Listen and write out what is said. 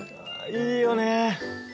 いいよね。